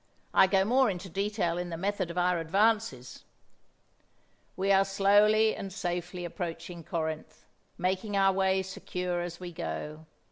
I go more into detail in the method of our advances: "We are slowly and safely approaching Corinth, making our way secure as we go.